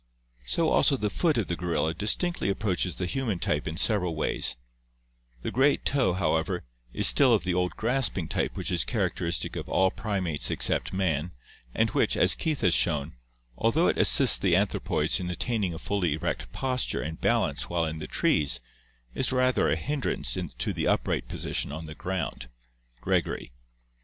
So also the foot of the gorilla distinctly approaches the human type in several ways; the great toe, however, is still of the old grasping type which is characteristic of all primates except man and which, as Keith has shown, although it assists the anthro poids in attaining a fully erect posture and balance while in the trees, is rather a hindrance to the upright position on the ground (Gregory).